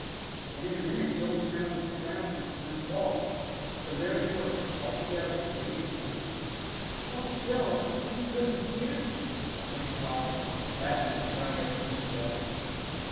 And in a minute Joel scrambled around from his stone wall. So there they were, all together, safe and sound! "Oh, Joel, are you really here?" exclaimed Polly, laughing and crying over him together.